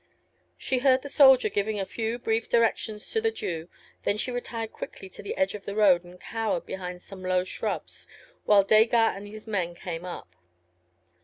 She heard the soldier giving a few brief directions to the Jew, then she retired quickly to the edge of the road, and cowered behind some low shrubs, whilst Desgas and his men came up.